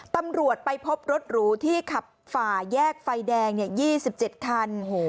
ตำรวจไปพบรถหรูที่ขับฝ่ายแยกไฟแดงเนี่ยยี่สิบเจ็ดคันโห